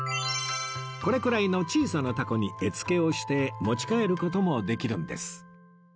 これくらいの小さな凧に絵付けをして持ち帰る事もできるんです